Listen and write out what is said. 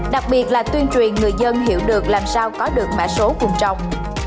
đặc biệt là tuyên truyền người dân hiểu được làm sao có được mã số vùng trồng